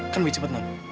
kan lebih cepet non